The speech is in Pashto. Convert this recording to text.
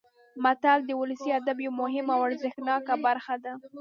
متل د ولسي ادب یوه مهمه او ارزښتناکه برخه ده